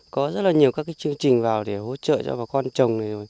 có rất là nhiều các chương trình vào để hỗ trợ cho bà con trồng này